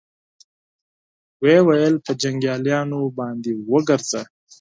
ويې ويل: په جنګياليو باندې وګرځه.